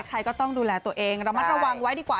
ใครก็ต้องดูแลตัวเองระมัดระวังไว้ดีกว่า